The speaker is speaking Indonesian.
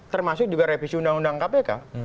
termasuk juga revisi undang undang kpk